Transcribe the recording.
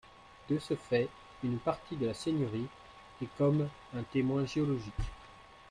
De ce fait, une partie de la Seigneurie est comme un témoin géologique.